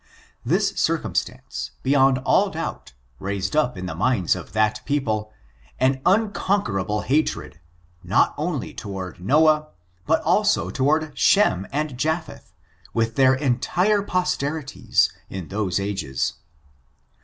This cir cumstance, beyond all doubt, raised up in the minds of that people, an unconquerable hatred, not only to ward Noah, but also toward Shem ^d Japheihy with their entire posterities, in those f^ges.